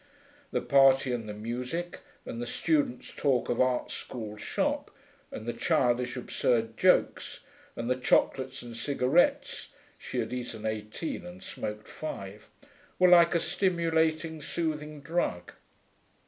The party, and the music, and the students' talk of art school shop, and the childish, absurd jokes, and the chocolates and cigarettes (she had eaten eighteen and smoked five) were like a stimulating, soothing drug.